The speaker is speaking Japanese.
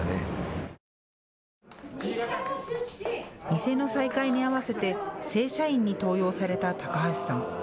店の再開に合わせて正社員に登用された高橋さん。